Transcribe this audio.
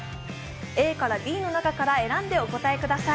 ＡからＤの中から選んでお答えください